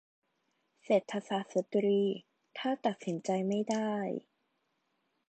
เศรษฐศาสตร์สตรี : ถ้าตัดสินใจไม่ได้